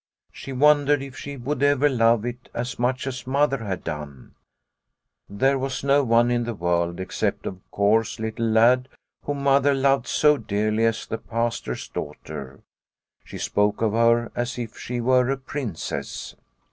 She wondered if she would ever love it as much as Mother had done. There was no one in the world except, of course, Little Lad whom Mother loved so dearly as the Pastor's daughter. She spoke of her as if she were a princess.